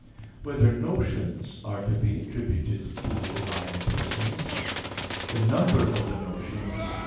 (2) Whether notions are to be attributed to the divine persons? (3) The number of the notions?